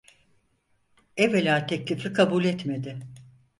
Evvela teklifi kabul etmedi.